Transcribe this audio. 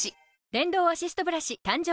電動アシストブラシ誕生